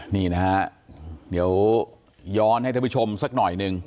นี่นะฮะเดี๋ยวย้อนให้ท่านผู้ชมสักหน่อยหนึ่ง